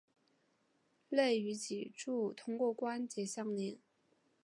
肋与脊柱通过关节相连。